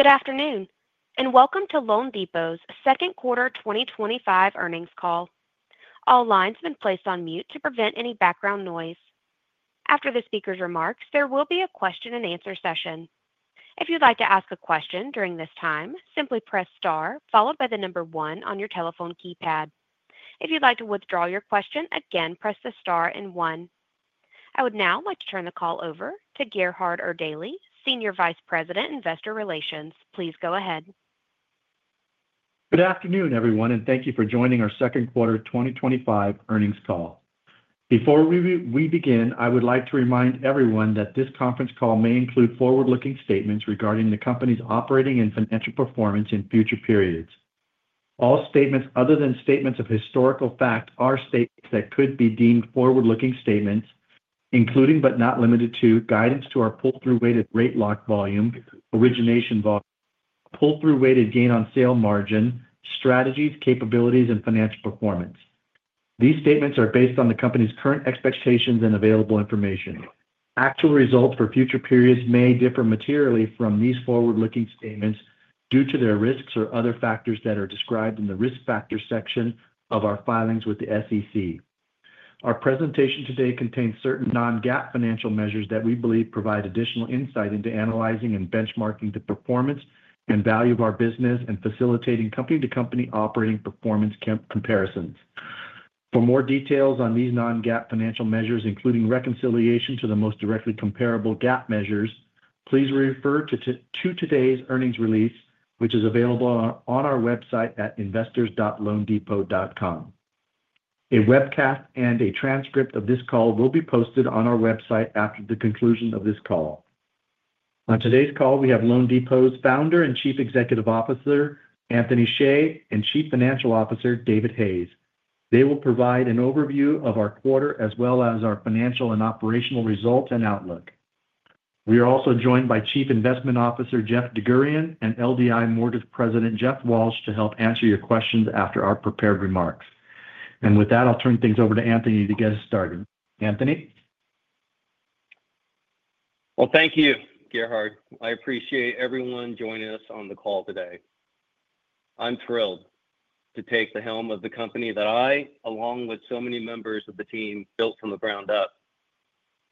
Good afternoon, and welcome to loanDepot's Second Quarter 2025 Earnings Call. All lines have been placed on mute to prevent any background noise. After the speaker's remarks, there will be a question-and-answer session. If you'd like to ask a question during this time, simply press star followed by the number one on your telephone keypad. If you'd like to withdraw your question, again press the star and one. I would now like to turn the call over to Gerhard Erdelji, Senior Vice President, Investor Relations. Please go ahead. Good afternoon, everyone, and thank you for joining our second quarter 2025 earnings call. Before we begin, I would like to remind everyone that this conference call may include forward-looking statements regarding the company's operating and financial performance in future periods. All statements other than statements of historical fact are statements that could be deemed forward-looking statements, including but not limited to guidance to our pull-through weighted rate lock volume, origination volume, pull-through weighted gain on sale margin, strategies, capabilities, and financial performance. These statements are based on the company's current expectations and available information. Actual results for future periods may differ materially from these forward-looking statements due to the risks or other factors that are described in the risk factors section of our filings with the SEC. Our presentation today contains certain non-GAAP financial measures that we believe provide additional insight into analyzing and benchmarking the performance and value of our business and facilitating company-to-company operating performance comparisons. For more details on these non-GAAP financial measures, including reconciliation to the most directly comparable GAAP measures, please refer to today's earnings release, which is available on our website at investors.loanDepot.com. A webcast and a transcript of this call will be posted on our website after the conclusion of this call. On today's call, we have loanDepot's Founder and Chief Executive Officer, Anthony Hsieh, and Chief Financial Officer, David Hayes. They will provide an overview of our quarter as well as our financial and operational results and outlook. We are also joined by Chief Investment Officer, Jeff DerGurahian, and LDI Mortgage President, Jeff Walsh, to help answer your questions after our prepared remarks. With that, I'll turn things over to Anthony to get us started. Anthony? Thank you, Gerhard. I appreciate everyone joining us on the call today. I'm thrilled to take the helm of the company that I, along with so many members of the team, built from the ground up.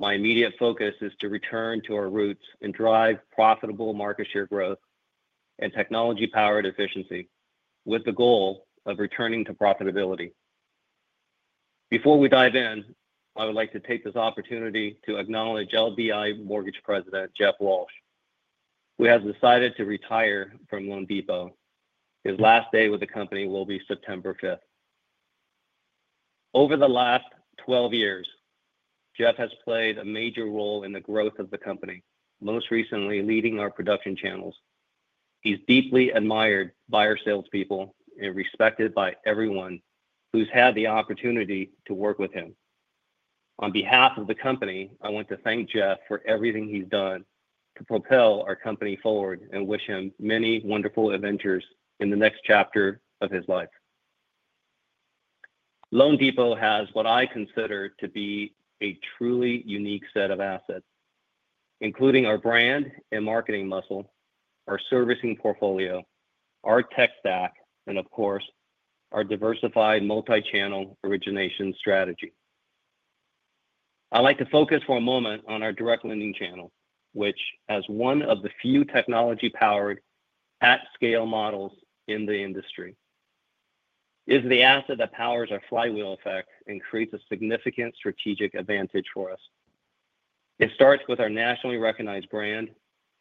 My immediate focus is to return to our roots and drive profitable market share growth and technology-powered efficiency with the goal of returning to profitability. Before we dive in, I would like to take this opportunity to acknowledge LDI Mortgage President, Jeff Walsh. He has decided to retire from loanDepot. His last day with the company will be September 5th. Over the last 12 years, Jeff has played a major role in the growth of the company, most recently leading our production channels. He's deeply admired by our salespeople and respected by everyone who's had the opportunity to work with him. On behalf of the company, I want to thank Jeff for everything he's done to propel our company forward and wish him many wonderful adventures in the next chapter of his life. loanDepot has what I consider to be a truly unique set of assets, including our brand and marketing muscle, our servicing portfolio, our tech stack, and of course, our diversified multi-channel origination strategy. I'd like to focus for a moment on our direct lending channel, which, as one of the few technology-powered at-scale models in the industry, is the asset that powers our flywheel effect and creates a significant strategic advantage for us. It starts with our nationally recognized brand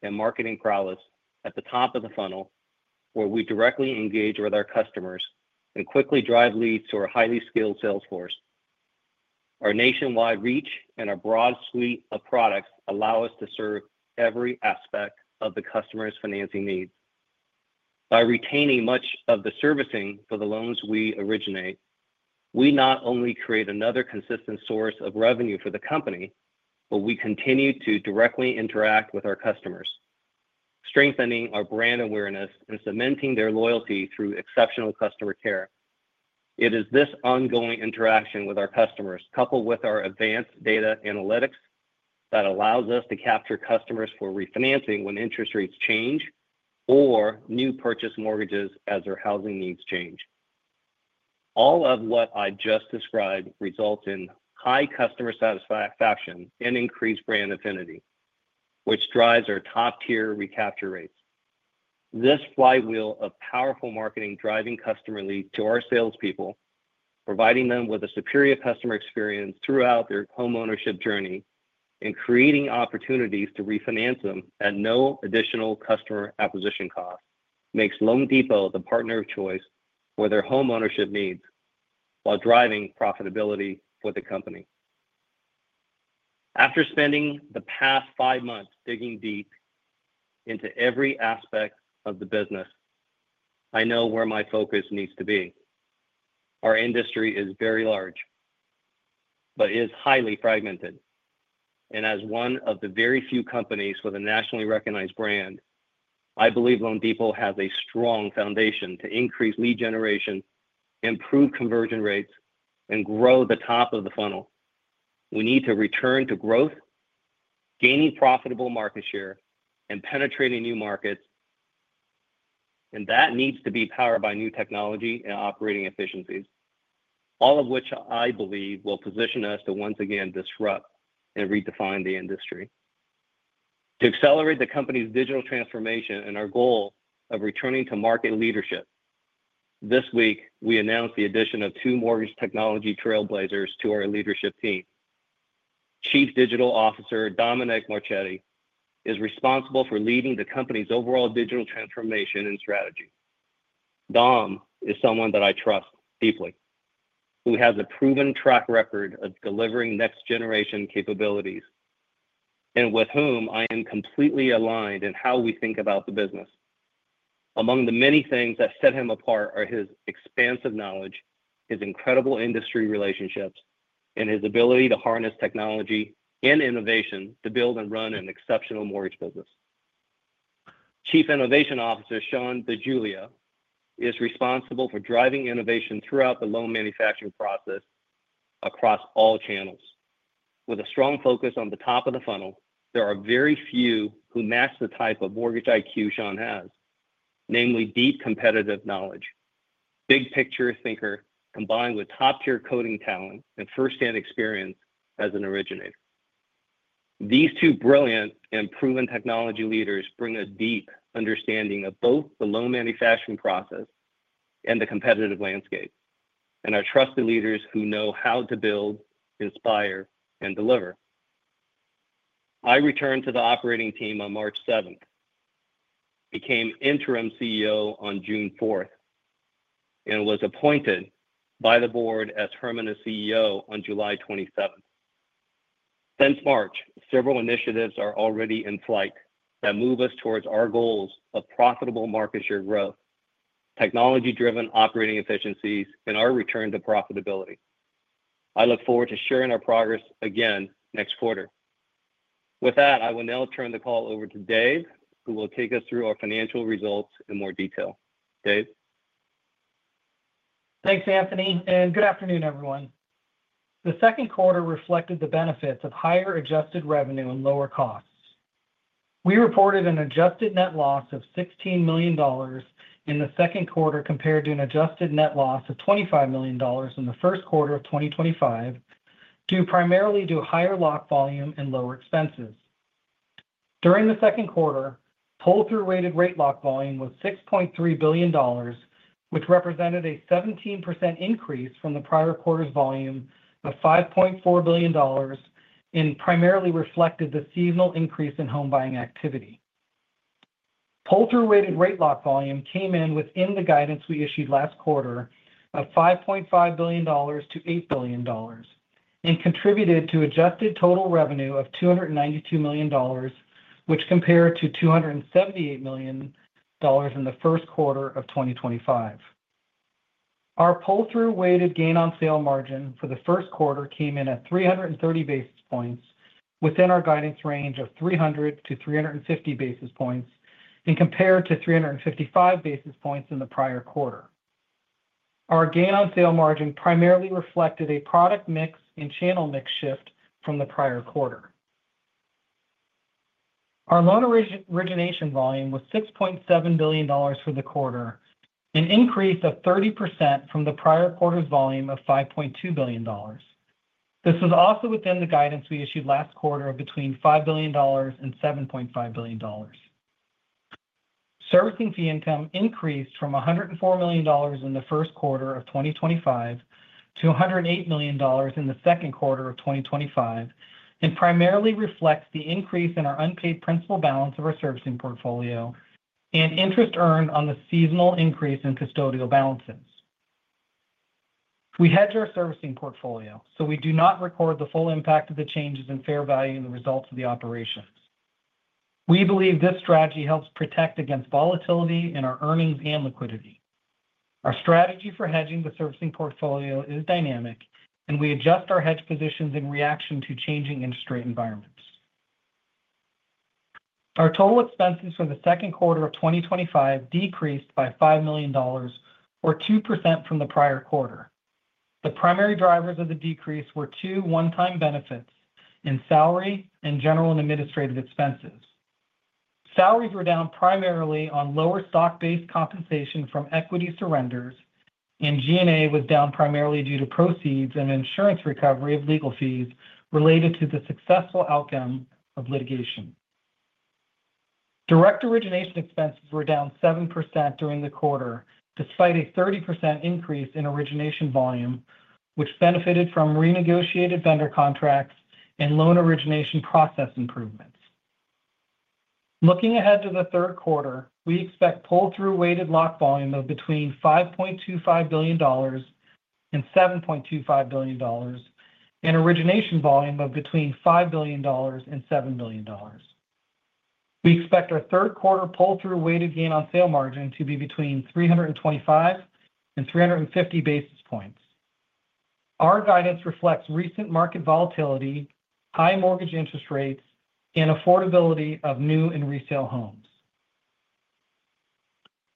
and marketing prowess at the top of the funnel, where we directly engage with our customers and quickly drive leads to our highly skilled sales force. Our nationwide reach and our broad suite of products allow us to serve every aspect of the customer's financing needs. By retaining much of the servicing for the loans we originate, we not only create another consistent source of revenue for the company, but we continue to directly interact with our customers, strengthening our brand awareness and cementing their loyalty through exceptional customer care. It is this ongoing interaction with our customers, coupled with our advanced data analytics, that allows us to capture customers for refinancing when interest rates change or new purchase mortgages as their housing needs change. All of what I just described results in high customer satisfaction and increased brand affinity, which drives our top-tier recapture rates. This flywheel of powerful marketing driving customer leads to our salespeople, providing them with a superior customer experience throughout their homeownership journey and creating opportunities to refinance them at no additional customer acquisition cost makes loanDepot the partner of choice for their homeownership needs while driving profitability for the company. After spending the past five months digging deep into every aspect of the business, I know where my focus needs to be. Our industry is very large but is highly fragmented. As one of the very few companies with a nationally recognized brand, I believe loanDepot has a strong foundation to increase lead generation, improve conversion rates, and grow the top of the funnel. We need to return to growth, gaining profitable market share, and penetrating new markets. That needs to be powered by new technology and operating efficiencies, all of which I believe will position us to once again disrupt and redefine the industry. To accelerate the company's digital transformation and our goal of returning to market leadership, this week we announced the addition of two mortgage technology trailblazers to our leadership team. Chief Digital Officer, Dominic Marchetti, is responsible for leading the company's overall digital transformation and strategy. Dom is someone that I trust deeply, who has a proven track record of delivering next-generation capabilities and with whom I am completely aligned in how we think about the business. Among the many things that set him apart are his expansive knowledge, his incredible industry relationships, and his ability to harness technology and innovation to build and run an exceptional mortgage business. Chief Innovation Officer, Sean DeGiulia, is responsible for driving innovation throughout the loan manufacturing process across all channels. With a strong focus on the top of the funnel, there are very few who match the type of mortgage IQ Sean has, namely deep competitive knowledge, big-picture thinker combined with top-tier coding talent and firsthand experience as an originator. These two brilliant and proven technology leaders bring a deep understanding of both the loan manufacturing process and the competitive landscape and are trusted leaders who know how to build, inspire, and deliver. I returned to the operating team on March 7, became interim CEO on June 4, and was appointed by the board as permanent CEO on July 27. Since March, several initiatives are already in flight that move us towards our goals of profitable market share growth, technology-driven operating efficiencies, and our return to profitability. I look forward to sharing our progress again next quarter. With that, I will now turn the call over to David, who will take us through our financial results in more detail. David. Thanks, Anthony, and good afternoon, everyone. The second quarter reflected the benefits of higher adjusted revenue and lower costs. We reported an adjusted net loss of $16 million in the second quarter compared to an adjusted net loss of $25 million in the first quarter of 2025, primarily due to higher lock volume and lower expenses. During the second quarter, pull-through weighted rate lock volume was $6.3 billion, which represented a 17% increase from the prior quarter's volume of $5.4 billion and primarily reflected the seasonal increase in home buying activity. Pull-through weighted rate lock volume came in within the guidance we issued last quarter of $5.5 billion-$8 billion and contributed to adjusted total revenue of $292 million, which compared to $278 million in the first quarter of 2025. Our pull-through weighted gain on sale margin for the first quarter came in at 330 basis points within our guidance range of 300 basisi points-350 basis points and compared to 355 basis points in the prior quarter. Our gain on sale margin primarily reflected a product mix and channel mix shift from the prior quarter. Our loan origination volume was $6.7 billion for the quarter, an increase of 30% from the prior quarter's volume of $5.2 billion. This was also within the guidance we issued last quarter of between $5 billion and $7.5 billion. Servicing fee income increased from $104 million in the first quarter of 2025 to $108 million in the second quarter of 2025 and primarily reflects the increase in our unpaid principal balance of our servicing portfolio and interest earned on the seasonal increase in custodial balances. We hedge our servicing portfolio, so we do not record the full impact of the changes in fair value in the results of the operations. We believe this strategy helps protect against volatility in our earnings and liquidity. Our strategy for hedging the servicing portfolio is dynamic, and we adjust our hedge positions in reaction to changing interest rate environments. Our total expenses for the second quarter of 2025 decreased by $5 million, or 2% from the prior quarter. The primary drivers of the decrease were two one-time benefits in salary and general and administrative expenses. Salaries were down primarily on lower stock-based compensation from equity surrenders, and G&A was down primarily due to proceeds and insurance recovery of legal fees related to the successful outcome of litigation. Direct origination expenses were down 7% during the quarter, despite a 30% increase in origination volume, which benefited from renegotiated vendor contracts and loan origination process improvements. Looking ahead to the third quarter, we expect pull-through weighted lock volume of between $5.25 billion and $7.25 billion and origination volume of between $5 billion and $7 billion. We expect our third quarter pull-through weighted gain on sale margin to be between 325 basis points and 350 basis points. Our guidance reflects recent market volatility, high mortgage interest rates, and affordability of new and resale homes.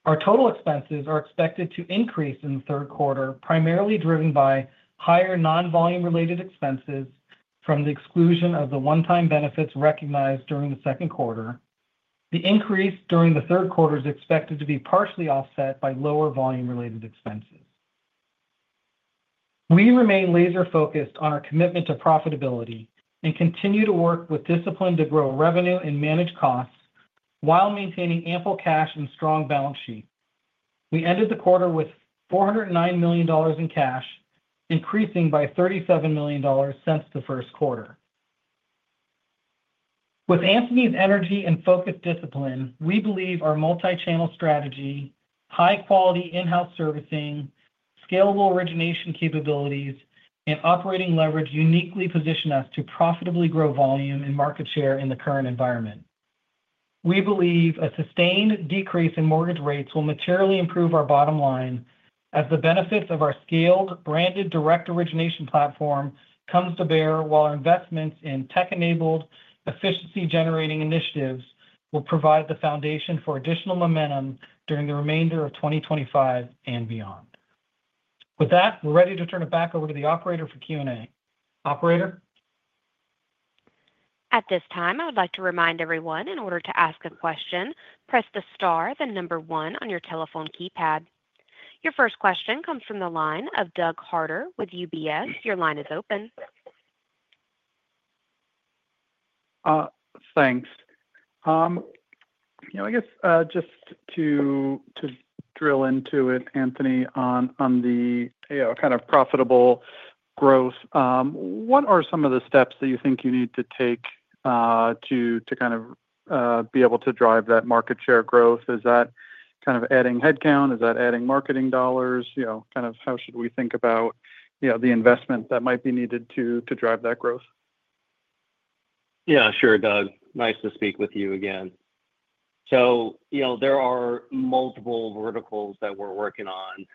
Our total expenses are expected to increase in the third quarter, primarily driven by higher non-volume related expenses from the exclusion of the one-time benefits recognized during the second quarter. The increase during the third quarter is expected to be partially offset by lower volume related expenses. We remain laser-focused on our commitment to profitability and continue to work with discipline to grow revenue and manage costs while maintaining ample cash and strong balance sheet. We ended the quarter with $409 million in cash, increasing by $37 million since the first quarter. With Anthony's energy and focused discipline, we believe our multi-channel strategy, high-quality in-house servicing, scalable origination capabilities, and operating leverage uniquely position us to profitably grow volume and market share in the current environment. We believe a sustained decrease in mortgage rates will materially improve our bottom line as the benefits of our scaled branded direct origination platform come to bear while our investments in tech-enabled efficiency-generating initiatives will provide the foundation for additional momentum during the remainder of 2025 and beyond. With that, we're ready to turn it back over to the operator for Q&A. Operator? At this time, I would like to remind everyone, in order to ask a question, press the star, the number one on your telephone keypad. Your first question comes from the line of Doug Harter with UBS. Your line is open. Thanks. I guess just to drill into it, Anthony, on the kind of profitable growth, what are some of the steps that you think you need to take to kind of be able to drive that market share growth? Is that kind of adding headcount? Is that adding marketing dollars? How should we think about the investment that might be needed to drive that growth? Yeah, sure, Doug. Nice to speak with you again. There are multiple verticals that we're working on.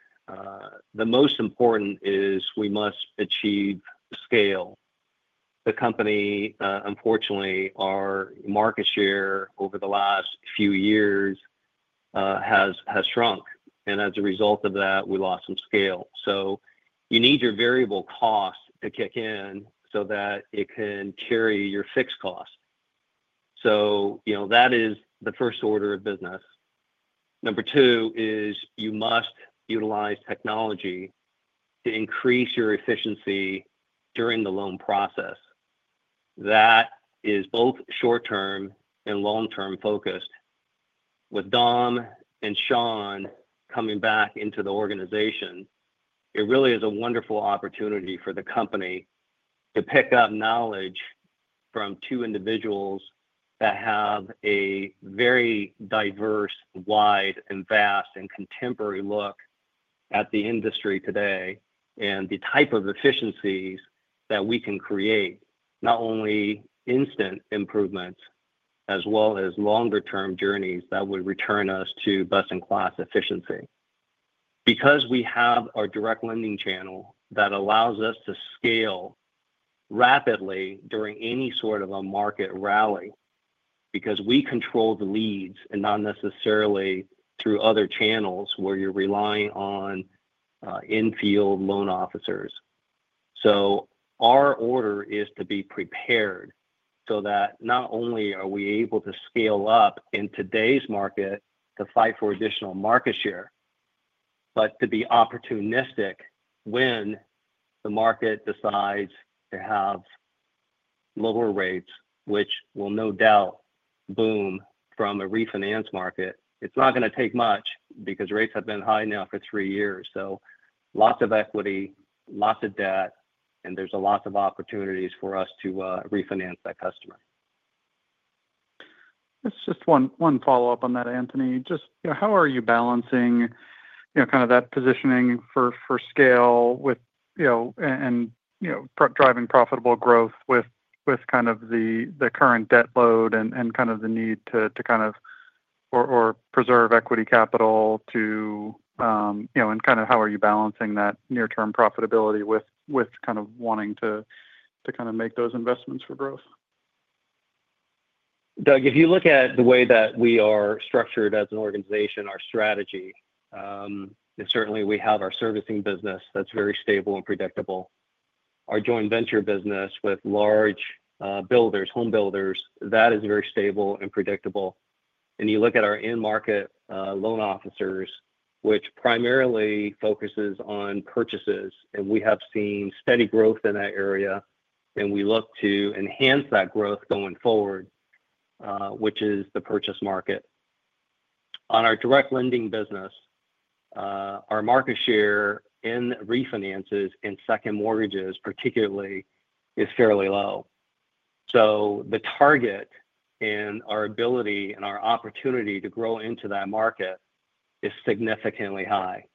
The most important is we must achieve scale. The company, unfortunately, our market share over the last few years has shrunk, and as a result of that, we lost some scale. You need your variable cost to kick in so that it can carry your fixed cost. That is the first order of business. Number two is you must utilize technology to increase your efficiency during the loan process. That is both short-term and long-term focused. With Dom and Sean coming back into the organization, it really is a wonderful opportunity for the company to pick up knowledge from two individuals that have a very diverse, wide, and vast and contemporary look at the industry today and the type of efficiencies that we can create, not only instant improvements as well as longer-term journeys that would return us to best-in-class efficiency. We have our direct lending channel that allows us to scale rapidly during any sort of a market rally, because we control the leads and not necessarily through other channels where you're relying on in-field loan officers. Our order is to be prepared so that not only are we able to scale up in today's market to fight for additional market share, but to be opportunistic when the market decides to have lower rates, which will no doubt boom from a refinance market. It's not going to take much because rates have been high now for three years. Lots of equity, lots of debt, and there's a lot of opportunities for us to refinance that customer. It's just one follow-up on that, Anthony. How are you balancing that positioning for scale with driving profitable growth with the current debt load and the need to preserve equity capital, and how are you balancing that near-term profitability with wanting to make those investments for growth? Doug, if you look at the way that we are structured as an organization, our strategy, and certainly we have our servicing business that's very stable and predictable. Our joint venture business with large builders, home builders, that is very stable and predictable. You look at our in-market loan officers, which primarily focuses on purchases, and we have seen steady growth in that area. We look to enhance that growth going forward, which is the purchase market. On our direct lending channel, our market share in refinances and second mortgages, particularly, is fairly low. The target and our ability and our opportunity to grow into that market is significantly high.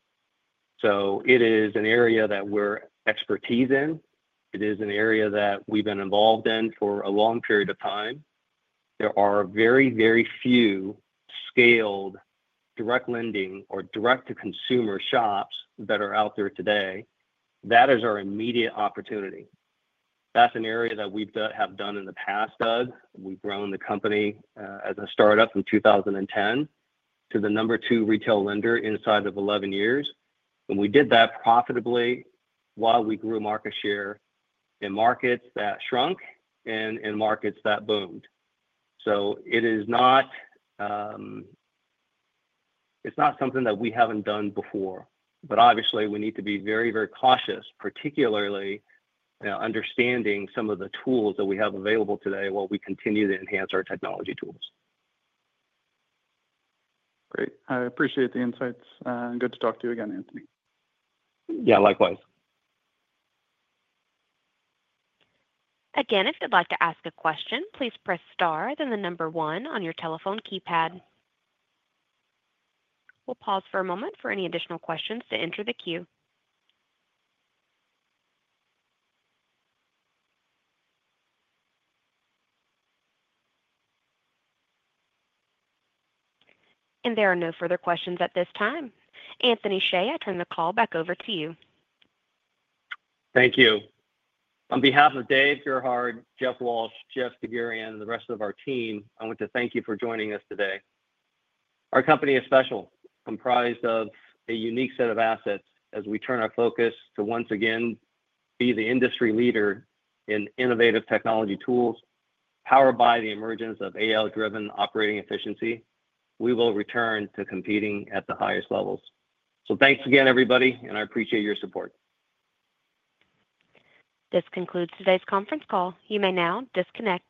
It is an area that we're expertise in. It is an area that we've been involved in for a long period of time. There are very, very few scaled direct lending or direct-to-consumer shops that are out there today. That is our immediate opportunity. That's an area that we have done in the past, Doug. We've grown the company as a startup from 2010 to the number two retail lender inside of 11 years. We did that profitably while we grew market share in markets that shrunk and in markets that boomed. It is not, it's not something that we haven't done before. Obviously, we need to be very, very cautious, particularly understanding some of the tools that we have available today while we continue to enhance our technology tools. Great. I appreciate the insights. Good to talk to you again, Anthony. Yeah, likewise. Again, if you'd like to ask a question, please press star, then the number one on your telephone keypad. We'll pause for a moment for any additional questions to enter the queue. There are no further questions at this time. Anthony Hsieh, I turn the call back over to you. Thank you. On behalf of Gerhard Erdelji, Jeff Walsh, Jeff DerGurahian, and the rest of our team, I want to thank you for joining us today. Our company is special, comprised of a unique set of assets. As we turn our focus to once again be the industry leader in innovative technology tools, powered by the emergence of AI-driven operating efficiency, we will return to competing at the highest levels. Thanks again, everybody, and I appreciate your support. This concludes today's conference call. You may now disconnect.